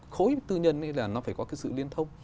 khối tư nhân là nó phải có cái sự liên thông